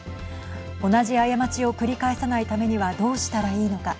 同じ過ちを繰り返さないためにはどうしたらいいのか。